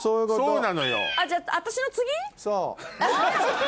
そう。